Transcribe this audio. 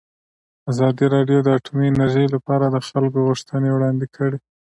ازادي راډیو د اټومي انرژي لپاره د خلکو غوښتنې وړاندې کړي.